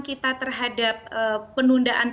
kita terhadap penundaan